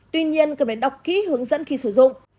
tuy nhiên cần phải đọc kỹ hướng dẫn khi sử dụng